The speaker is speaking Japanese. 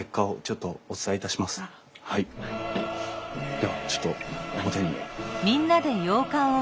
ではちょっと表に。